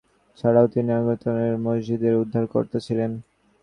তিনি বেনারসের বিভিন্ন স্মৃতিসৌধ ছাড়াও তিনি আওরঙ্গজেবের মসজিদে্র উদ্ধারকর্তা ছিলেন।